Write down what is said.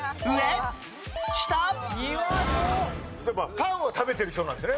パンを食べてる人なんですよね。